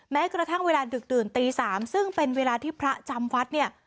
แม้กระทั่งเวลาดึกดื่นตี๓ซึ่งเป็นเวลาที่พระจำวัดเนี่ย